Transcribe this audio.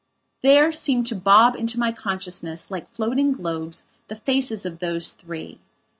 There seemed to bob into my consciousness, like floating globes, the faces of those three.